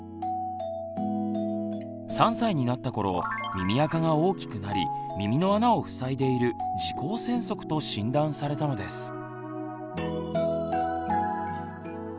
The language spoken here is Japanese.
３歳になったころ耳あかが大きくなり耳の穴をふさいでいる「耳垢栓塞」と診断されたのです。